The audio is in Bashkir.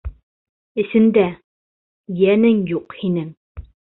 - Эсендә... йәнең юҡ һинең!